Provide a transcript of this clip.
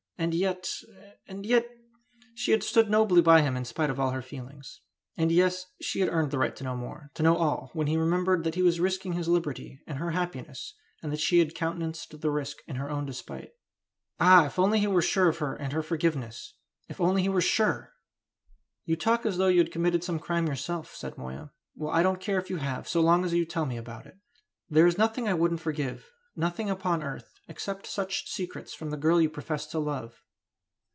And yet and yet she had stood nobly by him in spite of all her feelings! And yes, she had earned the right to know more to know all when he remembered that he was risking his liberty and her happiness, and that she had countenanced the risk in her own despite! Ah, if only he were sure of her and her forgiveness; if only he were sure! "You talk as though you had committed some crime yourself," said Moya; "well, I don't care if you have, so long as you tell me all about it. There is nothing I wouldn't forgive nothing upon earth except such secrets from the girl you profess to love."